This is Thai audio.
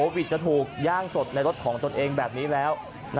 วิทย์จะถูกย่างสดในรถของตนเองแบบนี้แล้ว